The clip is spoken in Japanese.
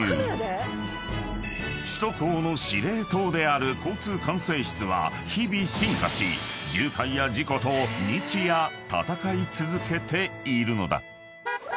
［首都高の司令塔である交通管制室は日々進化し渋滞や事故と日夜闘い続けているのだ］